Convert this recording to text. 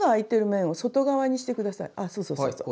あそうそうそうそう。